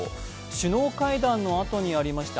首脳会談のあとにありました